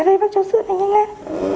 đi ra đây bác cho sữa nhanh lên